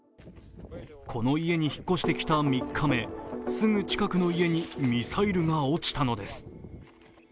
この家に引っ越してきた３日目すぐ近くの家にミサイルが落ちたのです。